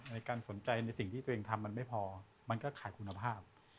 ในการสนใจในสิ่งที่ตัวเองทำมันไม่พอมันก็ขาดคุณภาพ